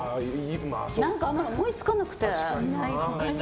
あんまり思いつかなくて。